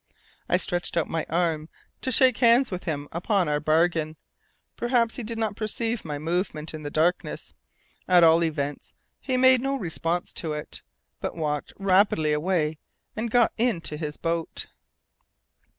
I stretched out my arm, to shake hands with him upon our bargain. Perhaps he did not perceive my movement in the darkness, at all events he made no response to it, but walked rapidly away and got into his boat.